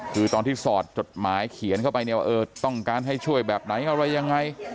คือตอนที่สอดจดหมายเขียนเข้าไปเนี่ยเออต้องการให้ช่วยแบบไหนอะไรยังไง